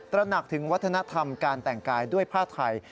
ระหนักถึงวัฒนธรรมการแต่งกายด้วยผ้าไทย